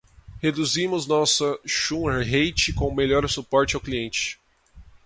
Reduzimos nossa churn rate com melhor suporte ao cliente.